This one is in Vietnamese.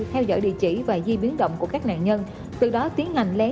theo dõi địa chỉ và di biến động của các nạn nhân từ đó tiến hành len